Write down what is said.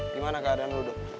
gimana keadaan lu dok